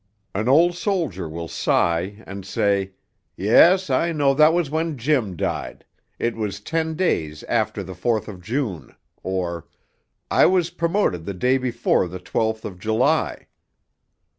An old soldier will sigh and say, 'Yes, I know that was when Jim died it was ten days after the Fourth of June,' or, 'I was promoted the day before the Twelfth of July.'